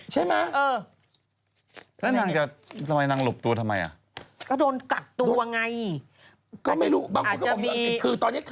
ใช่ไหมเออ